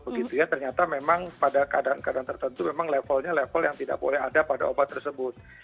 begitu ya ternyata memang pada keadaan keadaan tertentu memang levelnya level yang tidak boleh ada pada obat tersebut